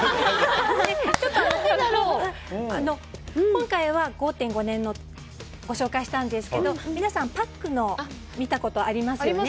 今回は５．５年をご紹介したんですけど皆さん、パックのを見たことがありますよね。